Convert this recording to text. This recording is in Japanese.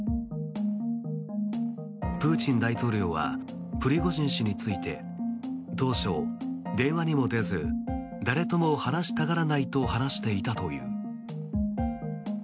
プーチン大統領はプリゴジン氏について当初、電話にも出ず誰とも話したがらないと話していたという。